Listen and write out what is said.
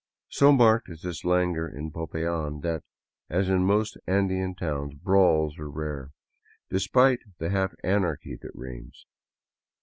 So marked is this languor in Popayan that, as in most Andean towns, brawls are rare, despite the half anarchy that reigns.